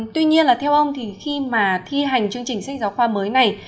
tuy nhiên là theo ông thì khi mà thi hành chương trình sách giáo khoa mới này